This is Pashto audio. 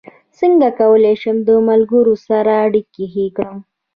څنګه کولی شم د ملګرو سره اړیکې ښې کړم